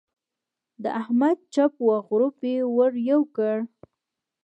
د احمد چپ و غړوپ يې ور یو کړ.